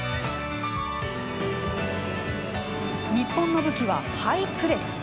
日本の武器は「ハイプレス」。